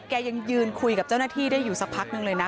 ยังยืนคุยกับเจ้าหน้าที่ได้อยู่สักพักนึงเลยนะ